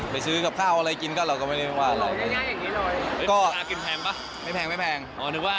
ไปซื้อกับข้าวอะไรกินก็เราก็ไม่ได้ว่าอะไรหลอกง่ายอย่างนี้หน่อย